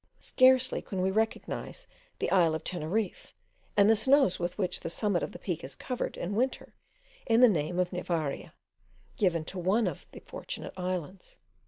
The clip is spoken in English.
Scarcely can we recognise the isle of Teneriffe, and the snows with which the summit of the Peak is covered in winter, in the name of Nivaria, given to one of the Fortunate Islands.